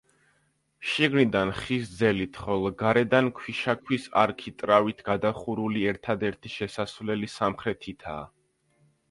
შიგნიდან ხის ძელით, ხოლო გარედან ქვიშაქვის არქიტრავით გადახურული ერთადერთი შესასვლელი სამხრეთითაა.